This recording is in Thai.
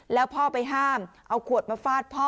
แล้วพ่อไปห้ามเอาขวดมาฟาดพ่อ